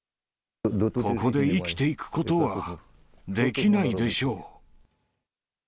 ここで生きていくことはできないでしょう。